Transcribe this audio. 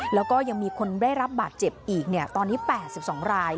แล้วก็ยังมีคนได้รับบาดเจ็บอีกตอนนี้๘๒ราย